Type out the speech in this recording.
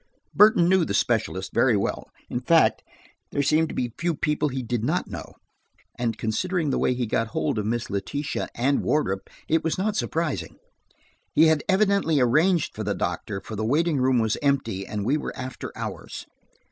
Burton knew the specialist very well–in fact, there seemed to be few people he did not know. And considering the way he had got hold of Miss Letitia and Wardrop, it was not surprising. He had evidently arranged with the doctor, for the waiting room was empty and we were after hours.